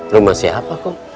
rumah siapa kom